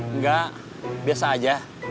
enggak biasa aja